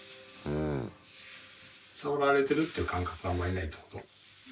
触られてるっていう感覚があんまりないってこと？